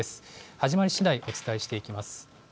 始まりしだいお伝えしていきます。